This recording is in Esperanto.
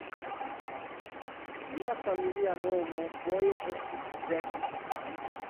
Lia familia nomo foje estis "Beck".